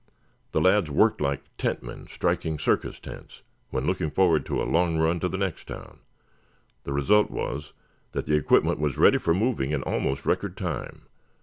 The lads worked like tentmen striking circus tents when looking forward to a long run to the next town. The result was that the equipment was ready for moving in almost record time.